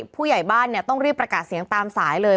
ผู้ใหญ่บ้านต้องรีบประกาศเสียงตามสายเลย